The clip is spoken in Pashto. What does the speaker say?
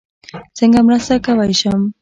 څنګه مرسته کوی شم؟